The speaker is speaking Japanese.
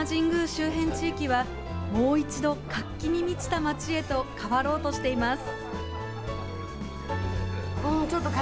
周辺地域はもう一度活気に満ちた街へと変わろうとしています。